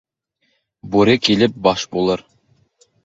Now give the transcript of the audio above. Бүре килеп баш булыр.